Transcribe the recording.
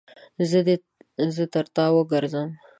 زه دې تر تا وګرځم.